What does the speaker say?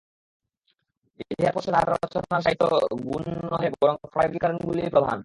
ইহার পশ্চাতে তাঁহার রচনার সাহিত্য গুণ নহে বরং প্রায়োগিক কারণগুলিই প্রধান।